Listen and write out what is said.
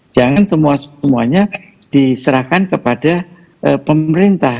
jangan semua semuanya diserahkan kepada pemerintah